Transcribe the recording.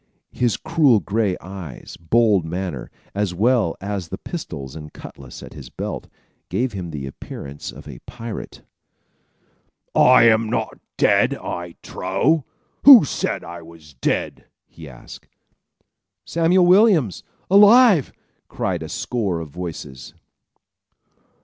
His cruel gray eyes, bold manner, as well as the pistols and cutlass at his belt, gave him the appearance of a pirate. "I am not dead, I trow! Who said I was dead?" he asked. "Samuel Williams! Alive!" cried a score of voices.